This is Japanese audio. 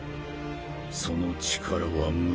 その力は無限。